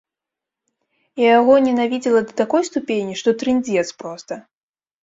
Я яго ненавідзела да такой ступені, што трындзец проста!